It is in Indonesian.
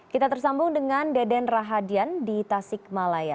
kita tersambung dengan deden rahadian di tasik malaya